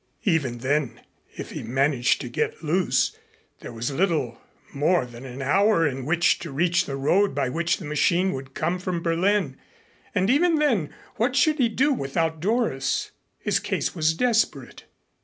Even then if he managed to get loose, there was left little more than an hour in which to reach the road by which the machine would come from Berlin, and even then what should he do without Doris? His case was desperate.